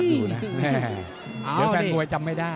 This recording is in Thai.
เดี๋ยวแฟนบวยจำไม่ได้